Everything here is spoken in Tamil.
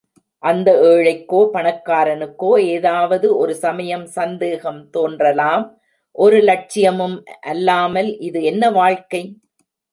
அந்த ஏழைக்கோ, பணக்காரனுக்கோ ஏதாவது ஒரு சமயம் சந்தேகம் தோன்றலாம் ஒரு லட்சியமும் அல்லாமல் இது என்ன வாழ்க்கை?